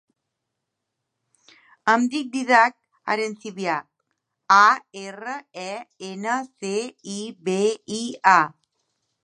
Em dic Dídac Arencibia: a, erra, e, ena, ce, i, be, i, a.